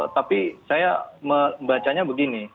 tapi saya membacanya begini